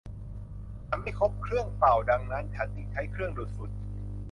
ฉันไม่พบเครื่องเป่าดังนั้นฉันจึงใช้เครื่องดูดฝุ่น